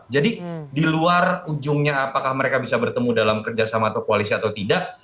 jadi diluar ujungnya apakah mereka bisa bertemu dalam kerja sama atau koalisi atau tidak